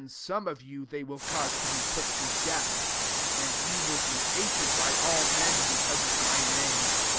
UKE XXII. 149 9^me of you they will cause to be put to deadi. 17 And ye will be hated by all men, because of my name.